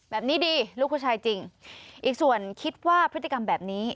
แบบนี้ดีลูกผู้ชายจริงอีกส่วนคิดว่าพฤติกรรมแบบนี้